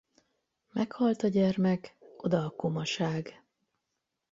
Meghalt a gyermek, oda a komaság.